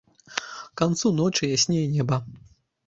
К канцу ночы яснее неба.